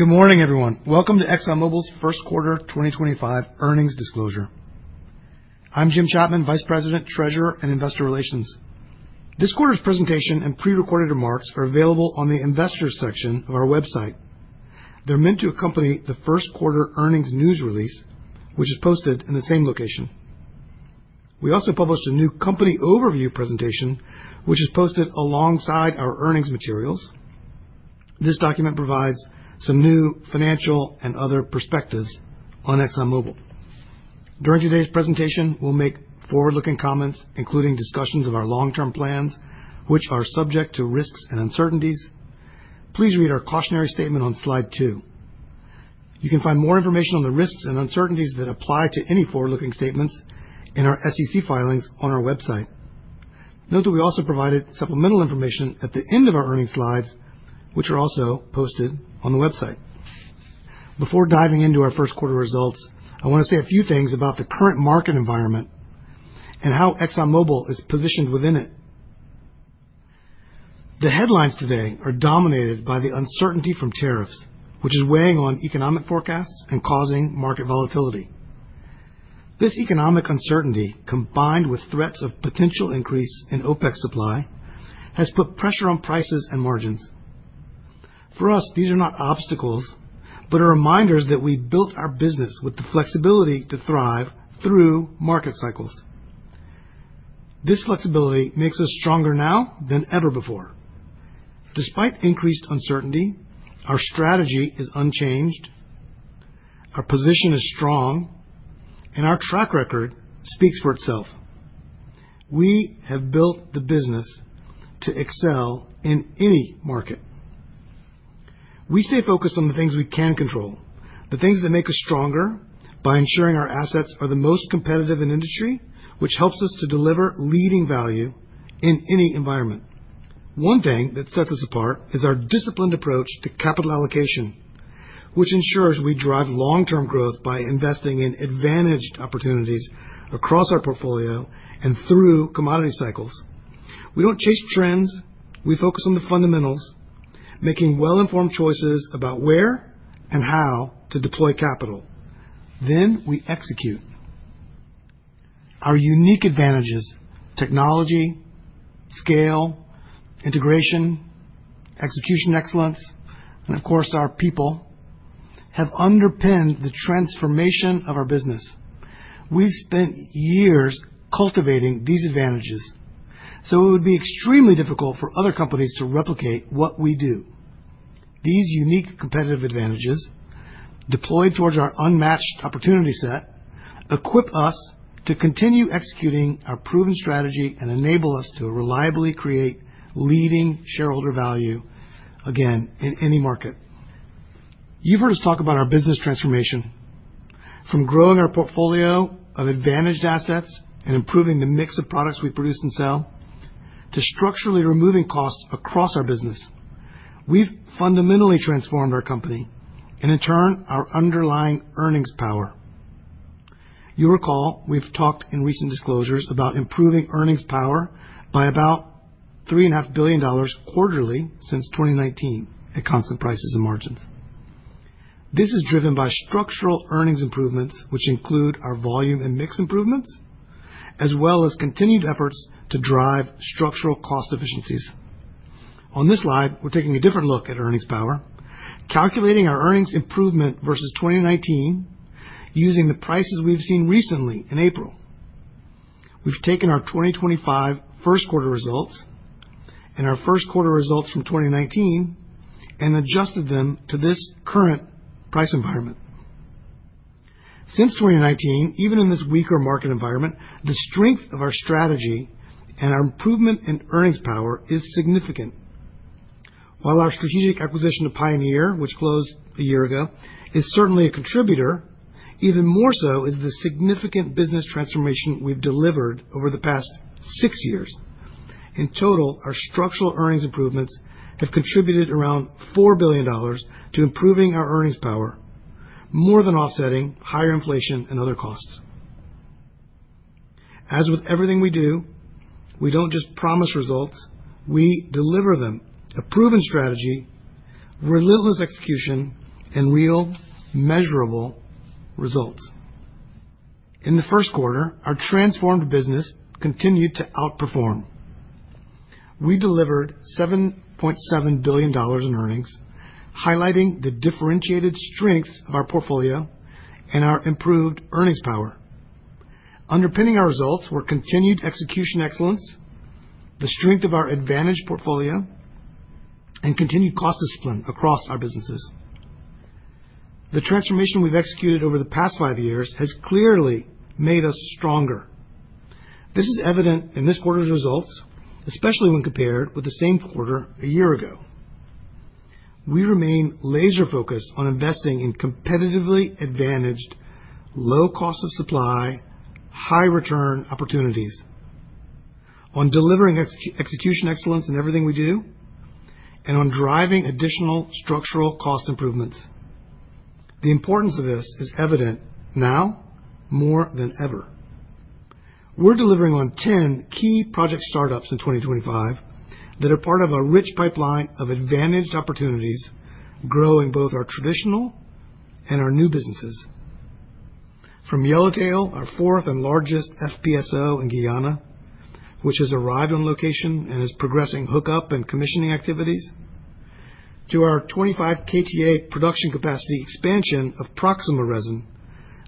Good morning, everyone. Welcome to Exxon Mobil's first quarter 2025 earnings disclosure. I'm Jim Chapman, Vice President, Treasurer and Investor Relations. This quarter's presentation and prerecorded remarks are available on the Investors section of our website. They're meant to accompany the first quarter earnings news release, which is posted in the same location. We also published a new company overview presentation, which is posted alongside our earnings materials. This document provides some new financial and other perspectives on Exxon Mobil. During today's presentation, we'll make forward-looking comments, including discussions of our long-term plans, which are subject to risks and uncertainties. Please read our cautionary statement on slide two. You can find more information on the risks and uncertainties that apply to any forward-looking statements in our SEC filings on our website. Note that we also provided supplemental information at the end of our earnings slides, which are also posted on the website. Before diving into our first quarter results, I want to say a few things about the current market environment and how Exxon Mobil is positioned within it. The headlines today are dominated by the uncertainty from tariffs, which is weighing on economic forecasts and causing market volatility. This economic uncertainty, combined with threats of potential increase in OpEx supply, has put pressure on prices and margins. For us, these are not obstacles but are reminders that we built our business with the flexibility to thrive through market cycles. This flexibility makes us stronger now than ever before. Despite increased uncertainty, our strategy is unchanged, our position is strong, and our track record speaks for itself. We have built the business to excel in any market. We stay focused on the things we can control, the things that make us stronger by ensuring our assets are the most competitive in industry, which helps us to deliver leading value in any environment. One thing that sets us apart is our disciplined approach to capital allocation, which ensures we drive long-term growth by investing in advantaged opportunities across our portfolio and through commodity cycles. We don't chase trends. We focus on the fundamentals, making well-informed choices about where and how to deploy capital. We execute. Our unique advantages—technology, scale, integration, execution excellence, and of course, our people—have underpinned the transformation of our business. We've spent years cultivating these advantages, so it would be extremely difficult for other companies to replicate what we do. These unique competitive advantages, deployed towards our unmatched opportunity set, equip us to continue executing our proven strategy and enable us to reliably create leading shareholder value again in any market. You've heard us talk about our business transformation. From growing our portfolio of advantaged assets and improving the mix of products we produce and sell to structurally removing costs across our business, we've fundamentally transformed our company and, in turn, our underlying earnings power. You'll recall we've talked in recent disclosures about improving earnings power by about $3.5 billion quarterly since 2019 at constant prices and margins. This is driven by structural earnings improvements, which include our volume and mix improvements, as well as continued efforts to drive structural cost efficiencies. On this slide, we're taking a different look at earnings power, calculating our earnings improvement versus 2019 using the prices we've seen recently in April. We've taken our 2025 first quarter results and our first quarter results from 2019 and adjusted them to this current price environment. Since 2019, even in this weaker market environment, the strength of our strategy and our improvement in earnings power is significant. While our strategic acquisition of Pioneer, which closed a year ago, is certainly a contributor, even more so is the significant business transformation we've delivered over the past six years. In total, our structural earnings improvements have contributed around $4 billion to improving our earnings power, more than offsetting higher inflation and other costs. As with everything we do, we don't just promise results, we deliver them: a proven strategy, relentless execution, and real measurable results. In the first quarter, our transformed business continued to outperform. We delivered $7.7 billion in earnings, highlighting the differentiated strengths of our portfolio and our improved earnings power. Underpinning our results were continued execution excellence, the strength of our advantaged portfolio, and continued cost discipline across our businesses. The transformation we've executed over the past five years has clearly made us stronger. This is evident in this quarter's results, especially when compared with the same quarter a year ago. We remain laser-focused on investing in competitively advantaged, low cost of supply, high return opportunities, on delivering execution excellence in everything we do, and on driving additional structural cost improvements. The importance of this is evident now more than ever. We're delivering on 10 key project startups in 2025 that are part of a rich pipeline of advantaged opportunities growing both our traditional and our new businesses. From Yellowtail, our fourth and largest FPSO in Guyana, which has arrived on location and is progressing hookup and commissioning activities, to our 25 KTA production capacity expansion of Proxima resin,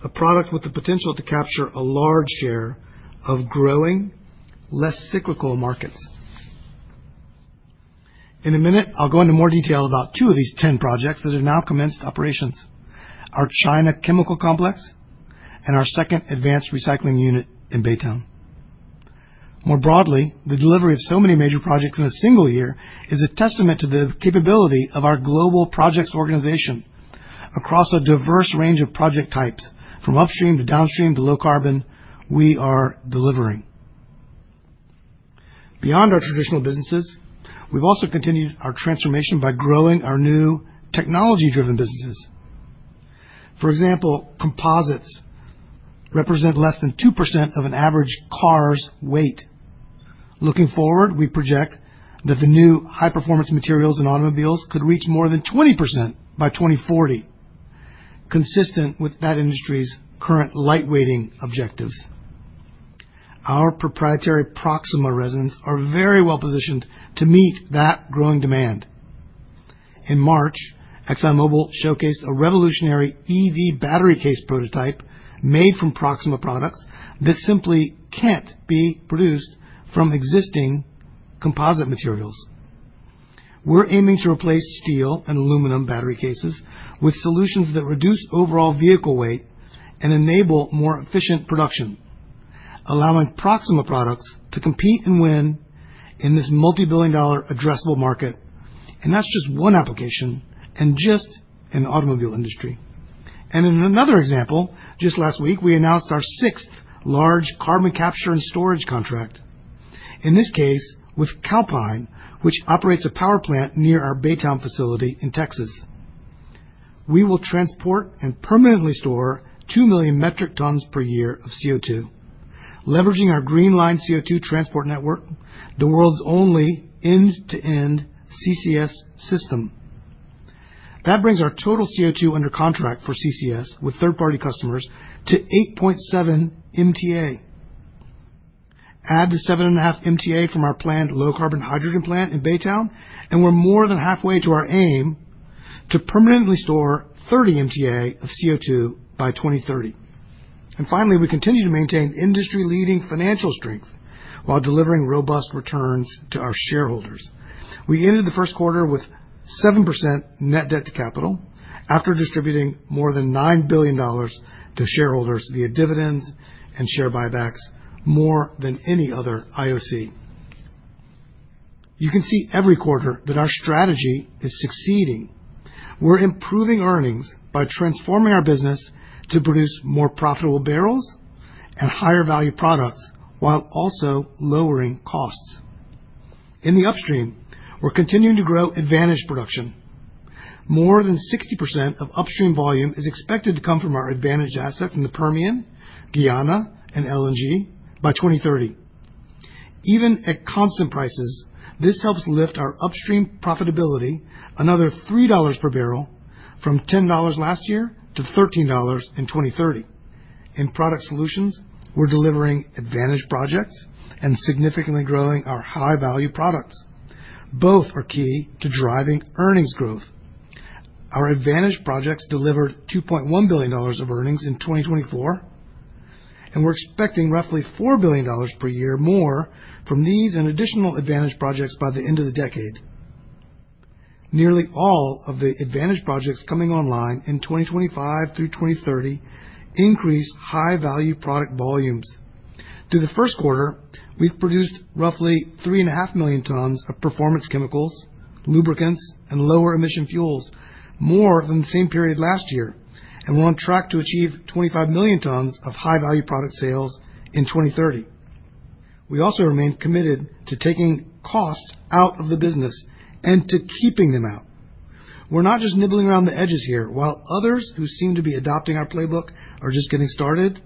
a product with the potential to capture a large share of growing less cyclical markets. In a minute, I'll go into more detail about two of these 10 projects that have now commenced operations: our China Chemical Complex and our second advanced recycling unit in Baytown. More broadly, the delivery of so many major projects in a single year is a testament to the capability of our global projects organization across a diverse range of project types, from upstream to downstream to low carbon. We are delivering. Beyond our traditional businesses, we've also continued our transformation by growing our new technology-driven businesses. For example, composites represent less than 2% of an average car's weight. Looking forward, we project that the new high-performance materials in automobiles could reach more than 20% by 2040, consistent with that industry's current lightweighting objectives. Our proprietary Proxima resins are very well positioned to meet that growing demand. In March, Exxon Mobil showcased a revolutionary EV battery case prototype made from Proxima products that simply can't be produced from existing composite materials. We're aiming to replace steel and aluminum battery cases with solutions that reduce overall vehicle weight and enable more efficient production, allowing Proxima products to compete and win in this multi-billion dollar addressable market. That is just one application and just in the automobile industry. In another example, just last week, we announced our sixth large carbon capture and storage contract, in this case with Calpine, which operates a power plant near our Baytown facility in Texas. We will transport and permanently store 2 million metric tons per year of CO2, leveraging our Green Line CO2 transport network, the world's only end-to-end CCS system. That brings our total CO2 under contract for CCS with third-party customers to 8.7 MTA. Add the 7.5 MTA from our planned low carbon hydrogen plant in Baytown, and we are more than halfway to our aim to permanently store 30 MTA of CO2 by 2030. Finally, we continue to maintain industry-leading financial strength while delivering robust returns to our shareholders. We ended the first quarter with 7% net debt to capital after distributing more than $9 billion to shareholders via dividends and share buybacks, more than any other IOC. You can see every quarter that our strategy is succeeding. We are improving earnings by transforming our business to produce more profitable barrels and higher value products while also lowering costs. In the upstream, we're continuing to grow advantaged production. More than 60% of upstream volume is expected to come from our advantaged assets in the Permian, Guyana, and LNG by 2030. Even at constant prices, this helps lift our upstream profitability another $3 per barrel from $10 last year to $13 in 2030. In product solutions, we're delivering advantaged projects and significantly growing our high-value products. Both are key to driving earnings growth. Our advantaged projects delivered $2.1 billion of earnings in 2024, and we're expecting roughly $4 billion per year more from these and additional advantaged projects by the end of the decade. Nearly all of the advantaged projects coming online in 2025 through 2030 increase high-value product volumes. Through the first quarter, we've produced roughly 3.5 million tons of performance chemicals, lubricants, and lower emission fuels more than the same period last year, and we're on track to achieve 25 million tons of high-value product sales in 2030. We also remain committed to taking costs out of the business and to keeping them out. We're not just nibbling around the edges here. While others who seem to be adopting our playbook are just getting started,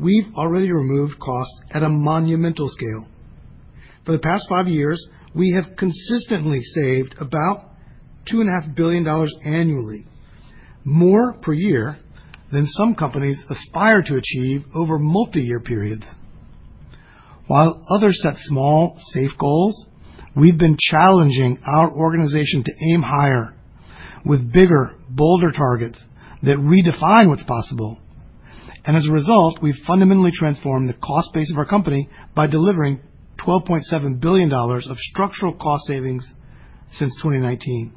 we've already removed costs at a monumental scale. For the past five years, we have consistently saved about $2.5 billion annually, more per year than some companies aspire to achieve over multi-year periods. While others set small, safe goals, we've been challenging our organization to aim higher with bigger, bolder targets that redefine what's possible. As a result, we have fundamentally transformed the cost base of our company by delivering $12.7 billion of structural cost savings since 2019.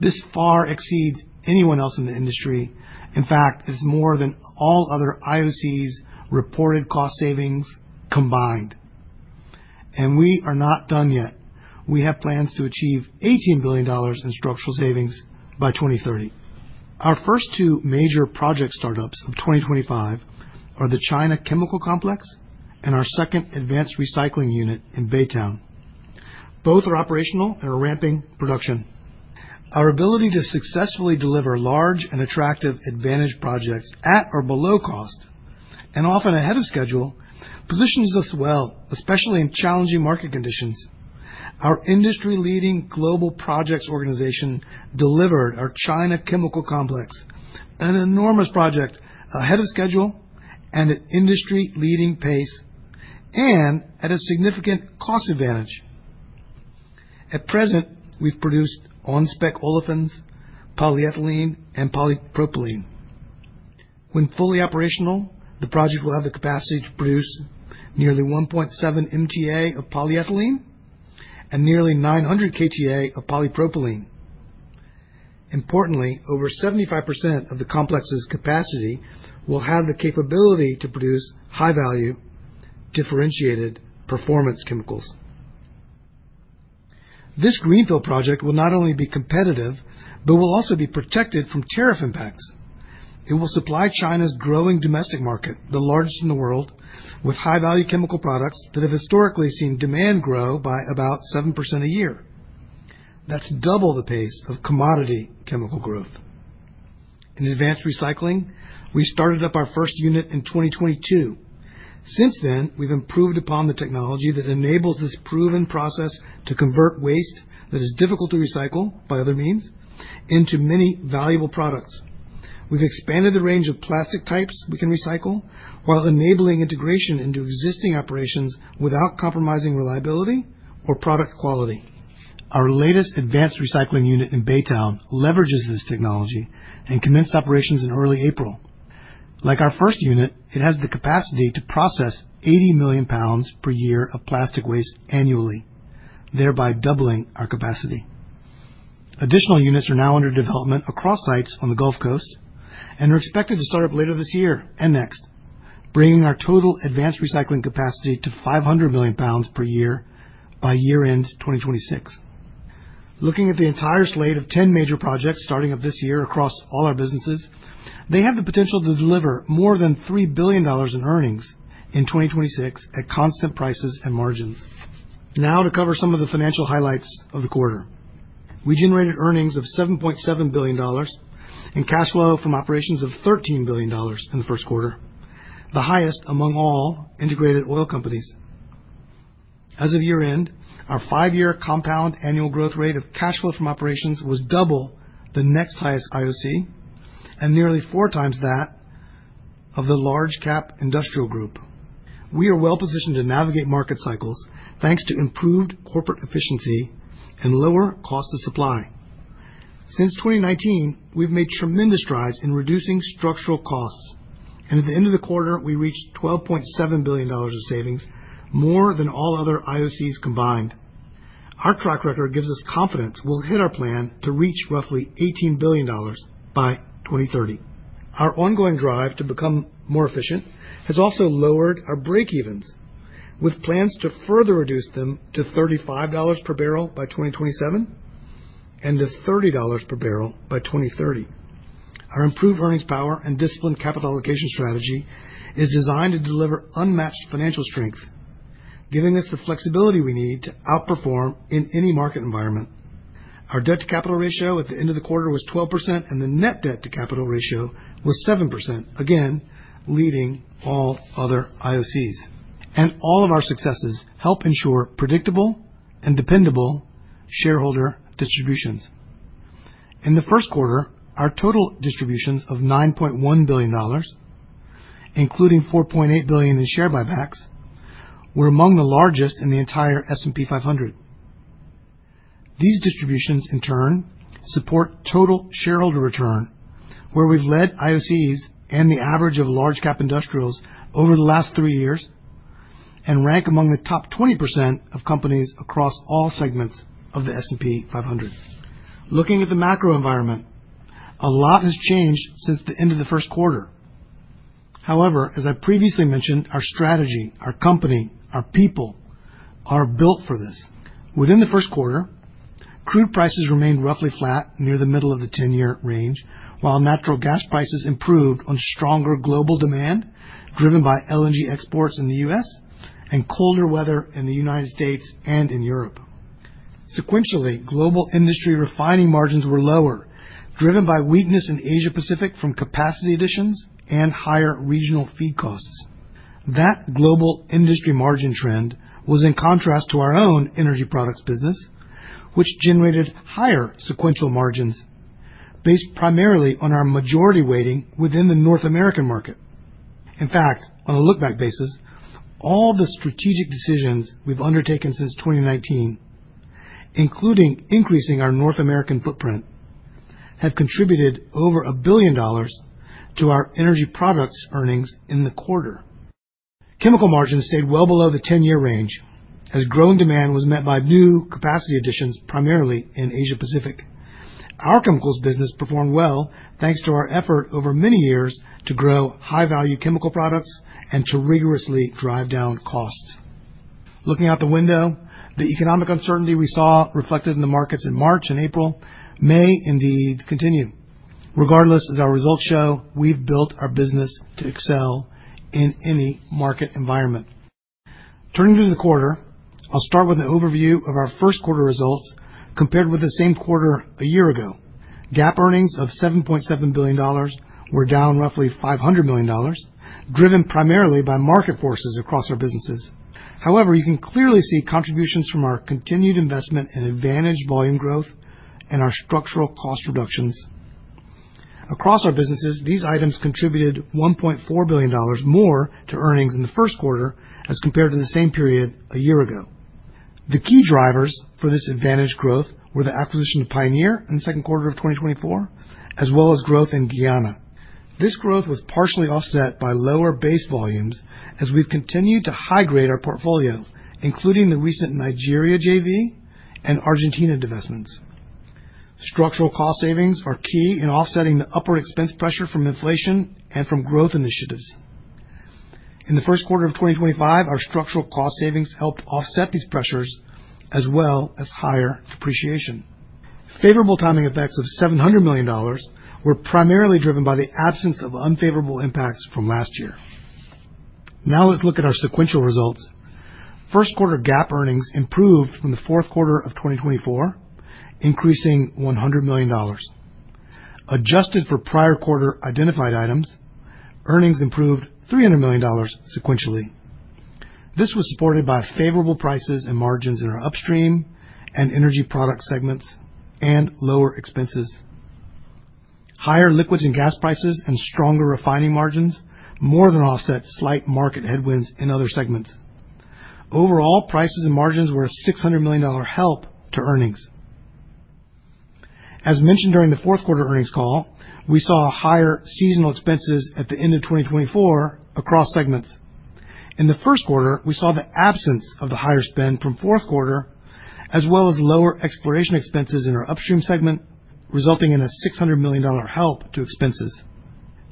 This far exceeds anyone else in the industry. In fact, it is more than all other IOCs' reported cost savings combined. We are not done yet. We have plans to achieve $18 billion in structural savings by 2030. Our first two major project startups of 2025 are the China Chemical Complex and our second advanced recycling unit in Baytown. Both are operational and are ramping production. Our ability to successfully deliver large and attractive advantaged projects at or below cost, and often ahead of schedule, positions us well, especially in challenging market conditions. Our industry-leading global projects organization delivered our China Chemical Complex, an enormous project, ahead of schedule and at industry-leading pace, and at a significant cost advantage. At present, we've produced on-spec olefins, polyethylene, and polypropylene. When fully operational, the project will have the capacity to produce nearly 1.7 MTA of polyethylene and nearly 900 KTA of polypropylene. Importantly, over 75% of the complex's capacity will have the capability to produce high-value, differentiated performance chemicals. This greenfield project will not only be competitive, but will also be protected from tariff impacts. It will supply China's growing domestic market, the largest in the world, with high-value chemical products that have historically seen demand grow by about 7% a year. That's double the pace of commodity chemical growth. In advanced recycling, we started up our first unit in 2022. Since then, we've improved upon the technology that enables this proven process to convert waste that is difficult to recycle by other means into many valuable products. We've expanded the range of plastic types we can recycle while enabling integration into existing operations without compromising reliability or product quality. Our latest advanced recycling unit in Baytown leverages this technology and commenced operations in early April. Like our first unit, it has the capacity to process 80 million pounds per year of plastic waste annually, thereby doubling our capacity. Additional units are now under development across sites on the Gulf Coast and are expected to start up later this year and next, bringing our total advanced recycling capacity to 500 million pounds per year by year-end 2026. Looking at the entire slate of 10 major projects starting up this year across all our businesses, they have the potential to deliver more than $3 billion in earnings in 2026 at constant prices and margins. Now, to cover some of the financial highlights of the quarter. We generated earnings of $7.7 billion and cash flow from operations of $13 billion in the first quarter, the highest among all integrated oil companies. As of year-end, our five-year compound annual growth rate of cash flow from operations was double the next highest IOC and nearly four times that of the large-cap industrial group. We are well positioned to navigate market cycles thanks to improved corporate efficiency and lower cost of supply. Since 2019, we've made tremendous strides in reducing structural costs, and at the end of the quarter, we reached $12.7 billion of savings, more than all other IOCs combined. Our track record gives us confidence we'll hit our plan to reach roughly $18 billion by 2030. Our ongoing drive to become more efficient has also lowered our breakevens, with plans to further reduce them to $35 per barrel by 2027 and to $30 per barrel by 2030. Our improved earnings power and disciplined capital allocation strategy is designed to deliver unmatched financial strength, giving us the flexibility we need to outperform in any market environment. Our debt-to-capital ratio at the end of the quarter was 12%, and the net debt-to-capital ratio was 7%, again leading all other IOCs. All of our successes help ensure predictable and dependable shareholder distributions. In the first quarter, our total distributions of $9.1 billion, including $4.8 billion in share buybacks, were among the largest in the entire S&P 500. These distributions, in turn, support total shareholder return, where we've led IOCs and the average of large-cap industrials over the last three years and rank among the top 20% of companies across all segments of the S&P 500. Looking at the macro environment, a lot has changed since the end of the first quarter. However, as I previously mentioned, our strategy, our company, our people are built for this. Within the first quarter, crude prices remained roughly flat near the middle of the 10-year range, while natural gas prices improved on stronger global demand driven by LNG exports in the U.S. and colder weather in the United States and in Europe. Sequentially, global industry refining margins were lower, driven by weakness in Asia-Pacific from capacity additions and higher regional feed costs. That global industry margin trend was in contrast to our own energy products business, which generated higher sequential margins based primarily on our majority weighting within the North American market. In fact, on a look-back basis, all the strategic decisions we've undertaken since 2019, including increasing our North American footprint, have contributed over a billion dollars to our energy products earnings in the quarter. Chemical margins stayed well below the 10-year range as growing demand was met by new capacity additions primarily in Asia-Pacific. Our chemicals business performed well thanks to our effort over many years to grow high-value chemical products and to rigorously drive down costs. Looking out the window, the economic uncertainty we saw reflected in the markets in March and April may indeed continue. Regardless, as our results show, we've built our business to excel in any market environment. Turning to the quarter, I'll start with an overview of our first quarter results compared with the same quarter a year ago. Gap earnings of $7.7 billion were down roughly $500 million, driven primarily by market forces across our businesses. However, you can clearly see contributions from our continued investment in advantaged volume growth and our structural cost reductions. Across our businesses, these items contributed $1.4 billion more to earnings in the first quarter as compared to the same period a year ago. The key drivers for this advantaged growth were the acquisition of Pioneer in the second quarter of 2024, as well as growth in Guyana. This growth was partially offset by lower base volumes as we've continued to high-grade our portfolio, including the recent Nigeria JV and Argentina divestments. Structural cost savings are key in offsetting the upward expense pressure from inflation and from growth initiatives. In the first quarter of 2025, our structural cost savings helped offset these pressures as well as higher depreciation. Favorable timing effects of $700 million were primarily driven by the absence of unfavorable impacts from last year. Now let's look at our sequential results. First quarter GAAP earnings improved from the fourth quarter of 2024, increasing $100 million. Adjusted for prior quarter identified items, earnings improved $300 million sequentially. This was supported by favorable prices and margins in our upstream and energy product segments and lower expenses. Higher liquids and gas prices and stronger refining margins more than offset slight market headwinds in other segments. Overall, prices and margins were a $600 million help to earnings. As mentioned during the fourth quarter earnings call, we saw higher seasonal expenses at the end of 2024 across segments. In the first quarter, we saw the absence of the higher spend from fourth quarter, as well as lower exploration expenses in our upstream segment, resulting in a $600 million help to expenses.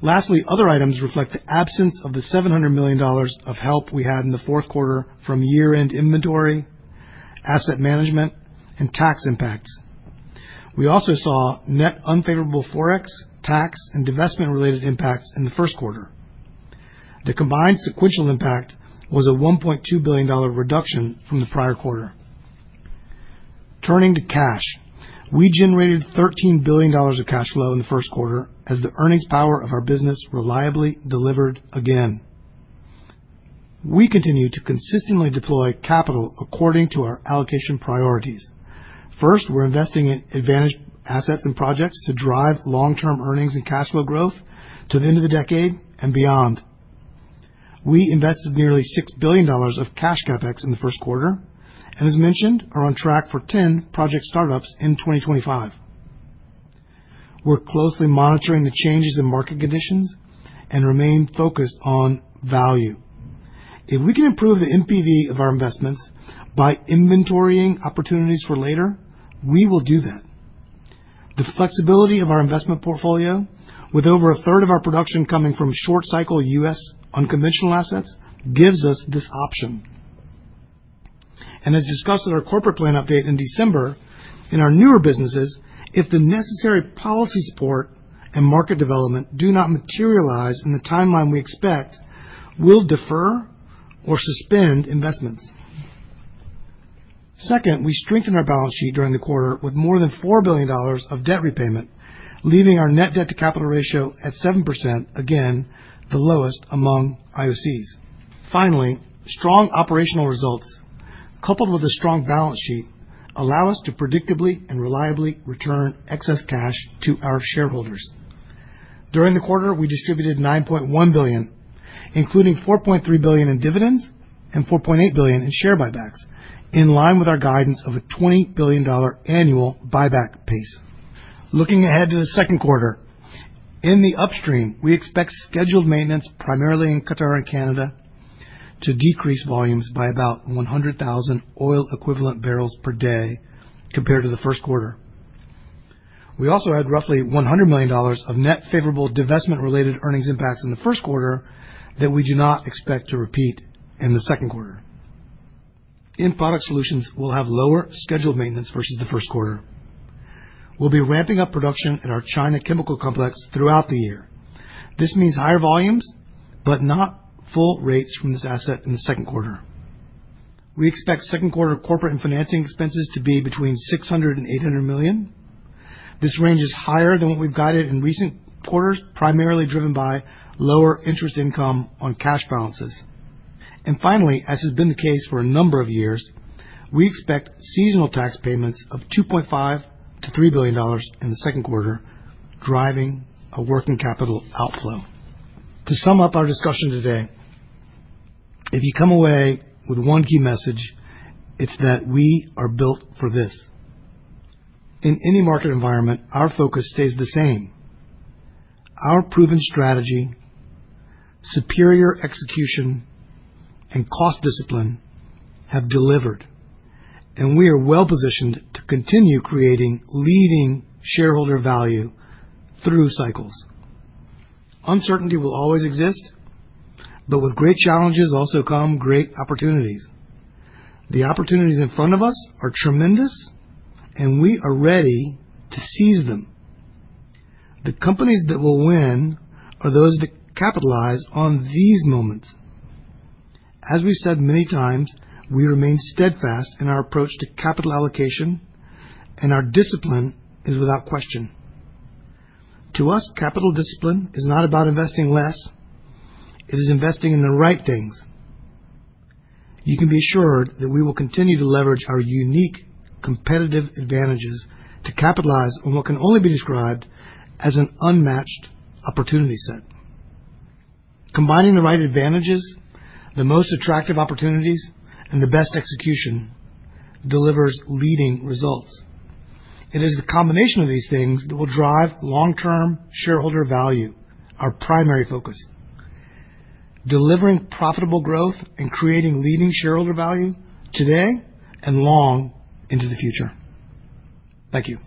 Lastly, other items reflect the absence of the $700 million of help we had in the fourth quarter from year-end inventory, asset management, and tax impacts. We also saw net unfavorable forex, tax, and divestment-related impacts in the first quarter. The combined sequential impact was a $1.2 billion reduction from the prior quarter. Turning to cash, we generated $13 billion of cash flow in the first quarter as the earnings power of our business reliably delivered again. We continue to consistently deploy capital according to our allocation priorities. First, we're investing in advantaged assets and projects to drive long-term earnings and cash flow growth to the end of the decade and beyond. We invested nearly $6 billion of cash CapEx in the first quarter, and as mentioned, are on track for 10 project startups in 2025. We're closely monitoring the changes in market conditions and remain focused on value. If we can improve the NPV of our investments by inventorying opportunities for later, we will do that. The flexibility of our investment portfolio, with over a third of our production coming from short-cycle U.S. unconventional assets, gives us this option. As discussed at our corporate plan update in December, in our newer businesses, if the necessary policy support and market development do not materialize in the timeline we expect, we'll defer or suspend investments. Second, we strengthened our balance sheet during the quarter with more than $4 billion of debt repayment, leaving our net debt-to-capital ratio at 7%, again the lowest among IOCs. Finally, strong operational results, coupled with a strong balance sheet, allow us to predictably and reliably return excess cash to our shareholders. During the quarter, we distributed $9.1 billion, including $4.3 billion in dividends and $4.8 billion in share buybacks, in line with our guidance of a $20 billion annual buyback pace. Looking ahead to the second quarter, in the upstream, we expect scheduled maintenance primarily in Qatar and Canada to decrease volumes by about 100,000 oil-equivalent barrels per day compared to the first quarter. We also had roughly $100 million of net favorable divestment-related earnings impacts in the first quarter that we do not expect to repeat in the second quarter. In product solutions, we'll have lower scheduled maintenance versus the first quarter. We'll be ramping up production at our China chemical complex throughout the year. This means higher volumes, but not full rates from this asset in the second quarter. We expect second quarter corporate and financing expenses to be between $600 million and $800 million. This range is higher than what we've guided in recent quarters, primarily driven by lower interest income on cash balances. Finally, as has been the case for a number of years, we expect seasonal tax payments of $2.5-$3 billion in the second quarter, driving a working capital outflow. To sum up our discussion today, if you come away with one key message, it's that we are built for this. In any market environment, our focus stays the same. Our proven strategy, superior execution, and cost discipline have delivered, and we are well positioned to continue creating leading shareholder value through cycles. Uncertainty will always exist, but with great challenges also come great opportunities. The opportunities in front of us are tremendous, and we are ready to seize them. The companies that will win are those that capitalize on these moments. As we've said many times, we remain steadfast in our approach to capital allocation, and our discipline is without question. To us, capital discipline is not about investing less. It is investing in the right things. You can be assured that we will continue to leverage our unique competitive advantages to capitalize on what can only be described as an unmatched opportunity set. Combining the right advantages, the most attractive opportunities, and the best execution delivers leading results. It is the combination of these things that will drive long-term shareholder value, our primary focus. Delivering profitable growth and creating leading shareholder value today and long into the future. Thank you.